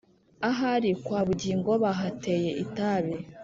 Ahari kwa Bugingo Bahateye itabi!